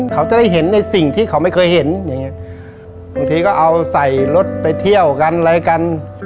เขาจะได้เห็นในสิ่งที่เขาไม่เคยเห็นอย่างเงี้ยบางทีก็เอาใส่รถไปเที่ยวกันอะไรกัน